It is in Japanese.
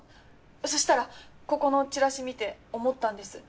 そしたらここのチラシ見て思ったんです。